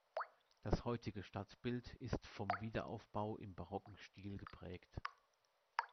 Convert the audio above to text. Das heutige Stadtbild ist vom Wiederaufbau im barocken Stil geprägt.